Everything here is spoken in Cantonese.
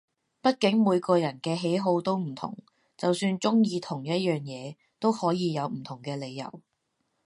畢竟每個人嘅喜好都唔同，就算中意同一樣嘢都可以有唔同嘅理由